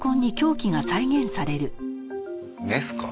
メスか？